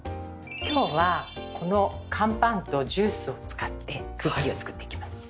今日はこの乾パンとジュースを使ってクッキーを作っていきます。